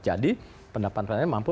jadi pendapatan pln mampu membayar itu